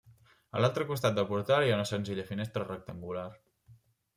A l'altre costat del portal hi ha una senzilla finestra rectangular.